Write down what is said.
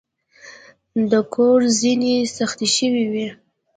د کور زینې سختې شوې وې.